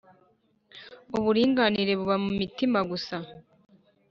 uburiganya buba mu mitima gusa